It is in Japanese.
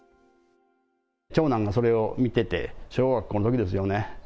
長男がそれを見てて、小学校のときですよね。